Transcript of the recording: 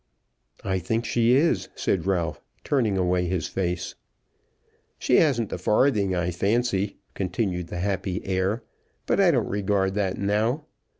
"I think she is," said Ralph, turning away his face. "She hasn't a farthing, I fancy," continued the happy heir, "but I don't regard that now.